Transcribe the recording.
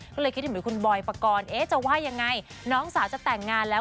ก็เลยคิดถึงเหมือนคุณบอยปกรณ์จะว่ายังไงน้องสาวจะแต่งงานแล้ว